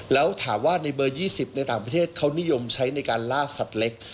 แล้วถามว่าในเบอร์๒๐ในต่างประเทศเขานิยมใช้ในการล่าสัตว์เล็ก